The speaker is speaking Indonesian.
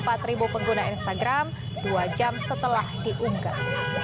dari tiga puluh empat pengguna instagram dua jam setelah diunggah